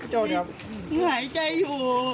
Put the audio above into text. หายใจอยู่